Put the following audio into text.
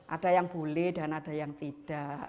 ada yang boleh dan ada yang tidak